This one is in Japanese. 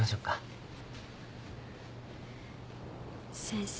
先生？